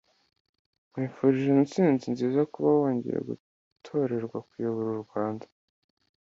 nkwifurije itsinzi nziza kuba wongeye gutorerwa kuyobora u Rwanda